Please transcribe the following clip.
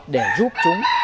để giúp chúng